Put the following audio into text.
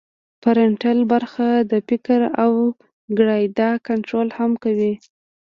فرنټل برخه د فکر او ګړیدا کنترول هم کوي